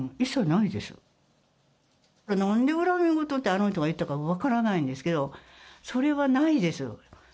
なんで恨み言って、あの人が言ったのか分からないんですけど、それはないです。